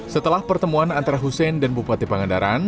setelah pertemuan antara hussein dan bupati pangandaran